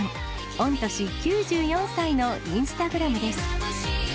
御年９４歳のインスタグラムです。